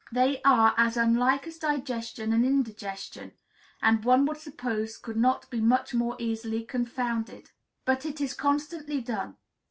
They are as unlike as digestion and indigestion, and one would suppose could not be much more easily confounded; but it is constantly done.